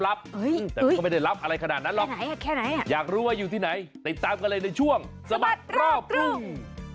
แต่ก็ไม่ได้รับอะไรขนาดนั้นหรอกอยากรู้ว่าอยู่ที่ไหนติดตามกันเลยในช่วงสะบัดรอบกรุง